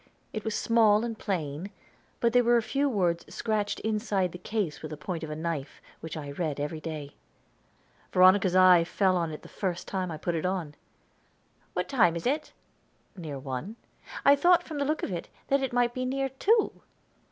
It was small and plain, but there were a few words scratched inside the case with the point of a knife, which I read every day. Veronica's eye fell on it the first time I put it on. "What time is it?" "Near one." "I thought, from the look of it, that it might be near two."